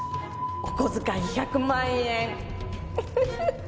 お小遣い１００万円。